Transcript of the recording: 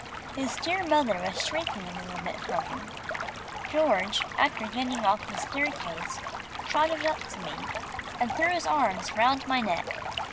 His dear mother was shrinking a little bit from me. George, after getting off the staircase, trotted up to me, and threw his arms round my neck.